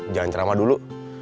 jangan ceramah dulu